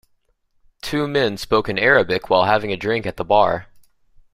Two men spoke in Arabic while having a drink at the bar.